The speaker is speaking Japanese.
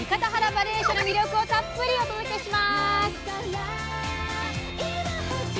ばれいしょの魅力をたっぷりお届けします！